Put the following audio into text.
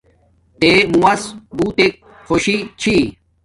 تے مووس بوتک خوشی چھی